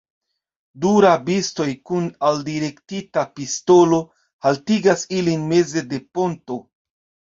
Du rabistoj, kun aldirektita pistolo, haltigas ilin meze de ponto.